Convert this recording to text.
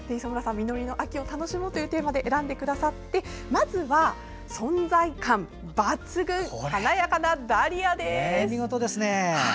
「実りの秋を楽しもう！」というテーマで選んでくださってまずは存在感抜群華やかなダリアです。